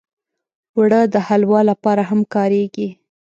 اوړه د حلوا لپاره هم کارېږي